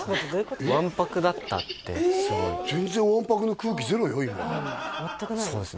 わんぱくだったって全然わんぱくな空気ゼロよ今全くないそうです